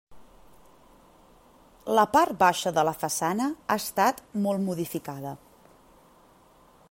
La part baixa de la façana ha estat molt modificada.